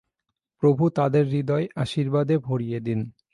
প্রভু তাদের হৃদয় আশীর্বাদে ভরিয়ে দিন।